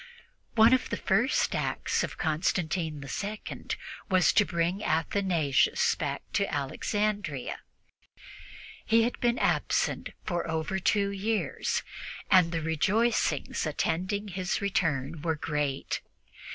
One of the first acts of Constantine II was to bring Athanasius back to Alexandria. He had been absent for over two years, and the rejoicings attending his return were great.